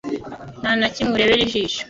nta na kimwe urebera ijisho